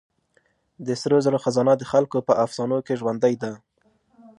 د سرو زرو خزانه د خلکو په افسانو کې ژوندۍ ده.